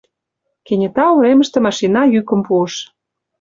Кенета уремыште машина йӱкым пуыш.